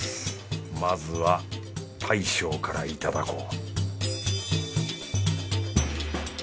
まずは大将からいただこう